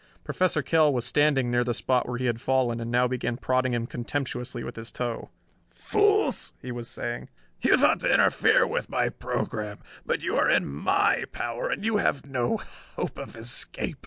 Professor Kell was standing near the spot where he had fallen and now began prodding him contemptuously with his toe. "Fools!" he was saying. "You thought to interfere with my program. But you are in my power and you have no hope of escape.